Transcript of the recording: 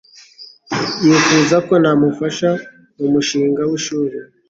Yifuza ko namufasha mumushinga wishuri.